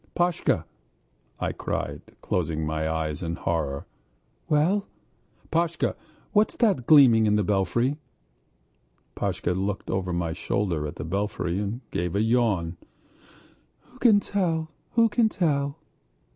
"Pashka!" I cried, closing my eyes in horror. "Well?" "Pashka, what's that gleaming on the belfry?" Pashka looked over my shoulder at the belfry and gave a yawn. "Who can tell?"